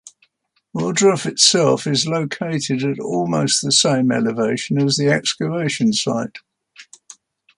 Ohrdruf itself is located at almost the same elevation as the excavation site.